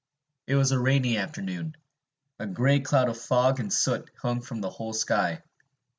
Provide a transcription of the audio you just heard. It was a rainy afternoon. A gray cloud of fog and soot hung from the whole sky.